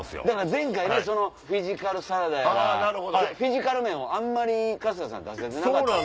前回ねフィジカルサラダやらフィジカル面をあんまり春日さん出せてなかった。